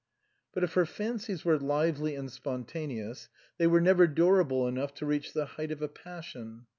But if her fancies were lively and spontaneous, they were never durable enough to reach the height of a passion.